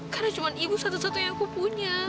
karena cuma ibu satu satunya yang aku punya